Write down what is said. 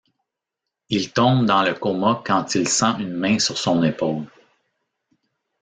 Il tombe dans le coma quand il sent une main sur son épaule.